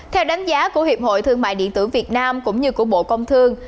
theo đánh giá của hiệp hội thương mại điện tử việt nam cũng như của bộ công thương